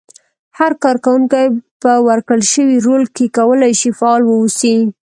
هر کار کوونکی په ورکړل شوي رول کې کولای شي فعال واوسي.